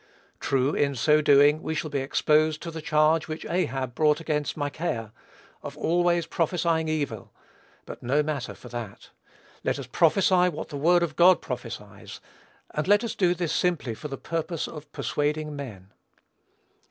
True, in so doing, we shall be exposed to the charge which Ahab brought against Micaiah, of always prophesying evil: but no matter for that. Let us prophesy what the word of God prophesies, and let us do this simply for the purpose of "persuading men."